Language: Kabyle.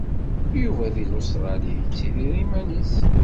Yuba di Lustṛali yettidir iman-is.